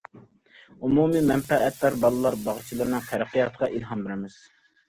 ئومۇمىي مەنپەئەتدار بالىلار باغچىلىرىنىڭ تەرەققىياتىغا ئىلھام بېرىمىز.